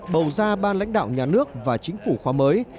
bầu ra ba lãnh đạo nhà nước và chính phủ khoa mới